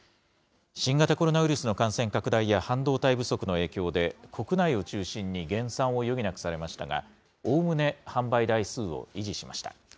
新型コロナウイルスの感染拡大や半導体不足の影響で、国内を中心に減産を余儀なくされましたが、おおむね販売台数を維持しました。